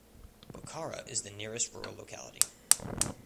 Bukhara is the nearest rural locality.